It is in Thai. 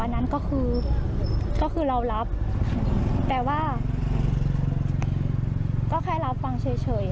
อันนั้นก็คือก็คือเรารับแต่ว่าก็แค่รับฟังเฉย